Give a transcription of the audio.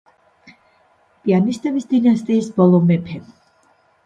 პიასტების დინასტიის ბოლო მეფე.